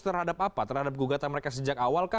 terhadap apa terhadap gugatan mereka sejak awal